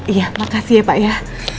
iya makasih ya pak ya